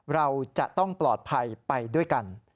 เราจะต้องปลอดภัยไปด้วยกัน